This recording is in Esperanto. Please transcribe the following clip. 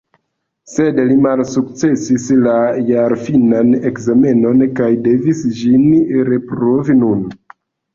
Sed li malsukcesis la jarfinan ekzamenon kaj devis ĝin reprovi nun.